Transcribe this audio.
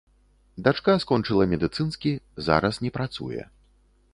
Дачка скончыла медыцынскі, зараз не працуе.